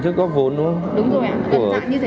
đúng rồi ạ đặc trạng như thế ạ